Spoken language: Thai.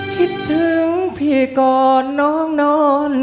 คิดถึงพี่ก่อนน้องนอน